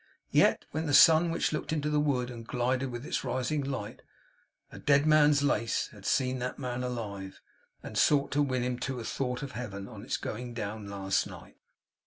Yet! When the sun which looked into the wood, and gilded with its rising light a dead man's lace, had seen that man alive, and sought to win him to a thought of Heaven, on its going down last night!